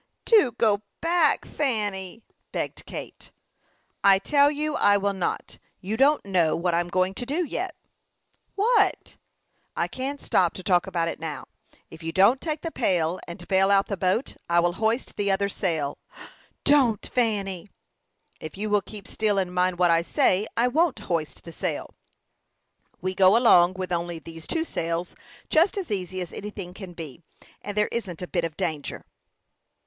"Do go back, Fanny," begged Kate. "I tell you I will not. You don't know what I am going to do yet." "What?" "I can't stop to talk about it now. If you don't take the pail and bale out the boat, I will hoist the other sail." "Don't, Fanny!" "If you will keep still, and mind what I say, I won't hoist the sail. We go along with only these two sails just as easy as anything can be, and there isn't a bit of danger."